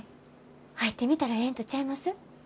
入ってみたらええんとちゃいます？